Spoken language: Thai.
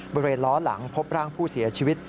บริเวณล้อหลังพบร่างผู้เสียชีวิต